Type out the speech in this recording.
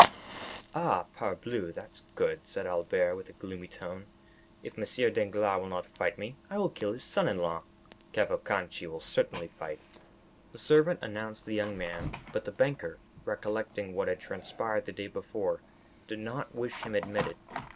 "Ah! parbleu! that's good," said Albert, with a gloomy tone. "If M. Danglars will not fight with me, I will kill his son in law; Cavalcanti will certainly fight." The servant announced the young man; but the banker, recollecting what had transpired the day before, did not wish him admitted.